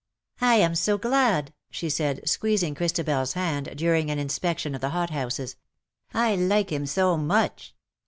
'^ I am so glad/^ she said, squeezing Christabe?s hand, during an inspection of the hot houses. " I like him so much."